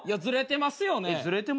ずれてますよね。